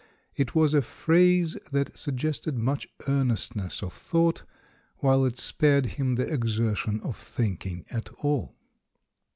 It was a phrase that suggested much earnestness of thought, while it spared him the exertion of thinking at all.